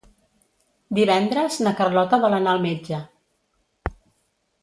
Divendres na Carlota vol anar al metge.